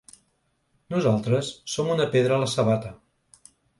Nosaltres som una pedra a la sabata.